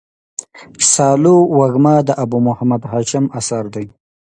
سالو وږمه د ابو محمد هاشم اثر دﺉ.